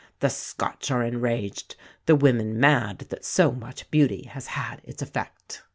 The Scotch are enraged, the women mad that so much beauty has had its effect."